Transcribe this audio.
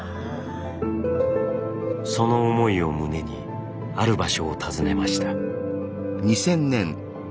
その思いを胸にある場所を訪ねました。